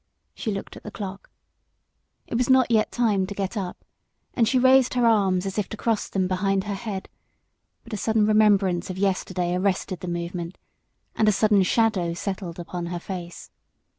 She looked at the clock. It was not yet time to get up, and she raised her arms as if to cross them behind her head, but a sudden remembrance of yesterday arrested her movement, and a sudden shadow settled on her face.